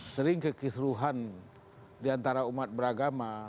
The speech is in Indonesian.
sering kekisruhan diantara umat beragama